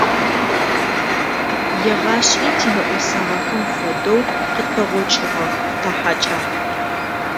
Егъашӏи тинэӏосагъэхэм фэдэу къытпэгъокӏыгъэх, тахьэкӏагъ.